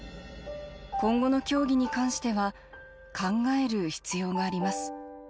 今後の競技に関しては、考える必要があります。